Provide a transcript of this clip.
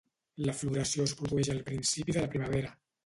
La floració es produeix al principi de la primavera.